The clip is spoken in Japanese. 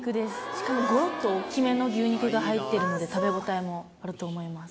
しかもゴロっと大きめの牛肉が入ってるので食べ応えもあると思います。